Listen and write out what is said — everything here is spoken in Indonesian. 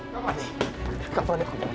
kak fani kak fani